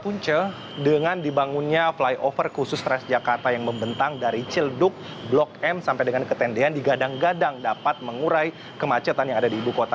punca dengan dibangunnya flyover khusus transjakarta yang membentang dari cilduk blok m sampai dengan ketendean digadang gadang dapat mengurai kemacetan yang ada di ibu kota